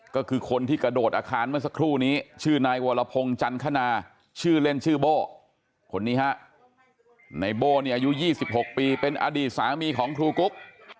ก็คือคนที่กระโดดอาคารเมื่อสักครู่นี้ชื่อนายวรพงศ์จันทนาชื่อเล่นชื่อโบ้คนนี้ฮะนายโบ้เนี่ยอายุ๒๖ปีเป็นอดีตสามีของครูกุ๊ก